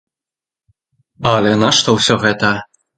Але нашто ўсё гэта?